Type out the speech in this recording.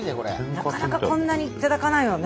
なかなかこんなに頂かないよね。